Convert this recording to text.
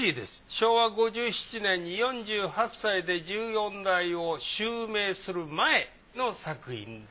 昭和５７年に４８歳で１４代を襲名する前の作品ですね。